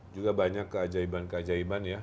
juga banyak keajaiban keajaiban ya